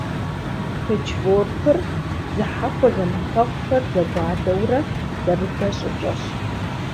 Пэчворкыр бзыхьэхуэ зэмыфэгъухэр зэгуадэурэ зэрыдэ щӏыкӏэщ.